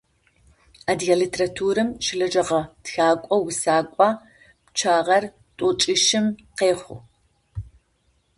Адыгэ литературэм щылэжьэгъэ тхэкӏо-усэкӏо пчъагъэр тӏокӏищым къехъу.